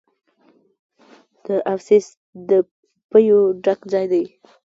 د ابسیس د پیو ډک ځای دی.